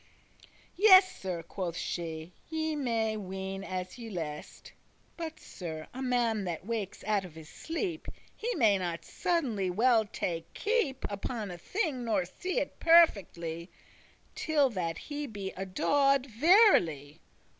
"Yea, Sir," quoth she, "ye may *ween as ye lest:* *think as you But, Sir, a man that wakes out of his sleep, please* He may not suddenly well take keep* *notice Upon a thing, nor see it perfectly, Till that he be adawed* verily.